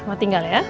mau tinggal ya